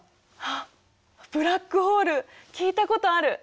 ブラックホール聞いたことある。